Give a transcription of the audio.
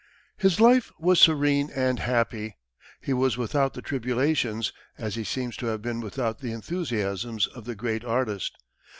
His life was serene and happy; he was without the tribulations, as he seems to have been without the enthusiasms of the great artist.